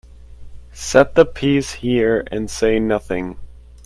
Set the piece here and say nothing.